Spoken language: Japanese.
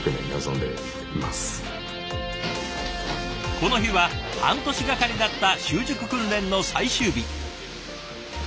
この日は半年がかりだった習熟訓練の最終日。